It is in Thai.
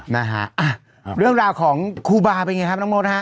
นะฮะเรื่องราวของครูบาร์เป็นอย่างไรครับน้องโมทฮะ